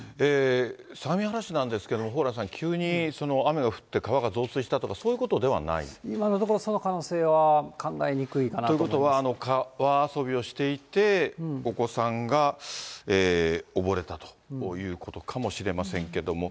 相模原市なんですけど、蓬莱さん、急に雨が降って川が増水したとか、今のところ、その可能性は考ということは、川遊びをしていて、お子さんがおぼれたということかもしれませんけれども。